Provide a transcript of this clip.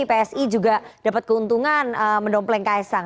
psi juga dapat keuntungan mendopeng ks sang